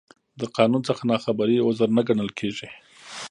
د قانون څخه نا خبري، عذر نه ګڼل کېږي.